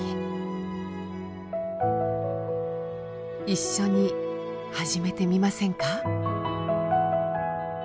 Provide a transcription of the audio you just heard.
一緒に始めてみませんか？